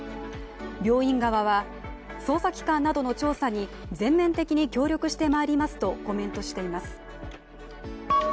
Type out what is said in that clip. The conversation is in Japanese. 病院側は、捜査機関などの調査に全面的に協力してまいりますとコメントしています。